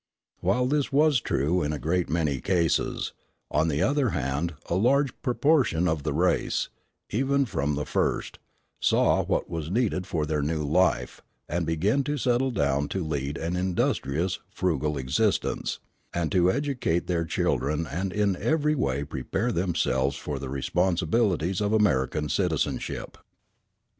While this was true in a great many cases, on the other hand a large proportion of the race, even from the first, saw what was needed for their new life, and began to settle down to lead an industrious, frugal existence, and to educate their children and in every way prepare themselves for the responsibilities of American citizenship.